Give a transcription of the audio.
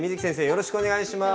よろしくお願いします。